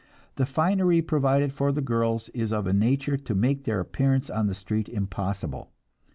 The finery provided for the girls is of a nature to make their appearance on the street impossible.